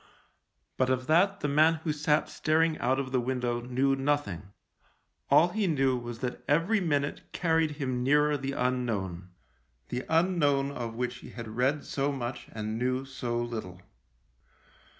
But of that the man who sat staring out of the window knew nothing. All he knew was that every minute carried him nearer the unknown — the unknown of which he had read so much and knew so little.